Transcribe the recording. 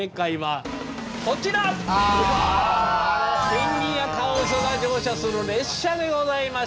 ペンギンやカワウソが乗車する列車でございました。